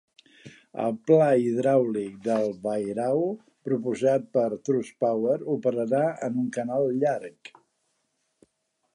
El Pla Hidràulic del Wairau proposat per TrustPower operarà en un canal llarg.